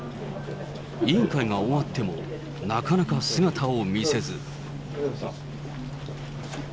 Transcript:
委員会が終わっても、なかなか姿を見せず。